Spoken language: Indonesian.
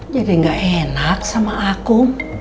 gak enak sama aku